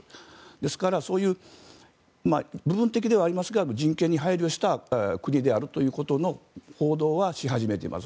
ですから、そういう部分的ではありますが人権に配慮した国であることの報道はし始めています。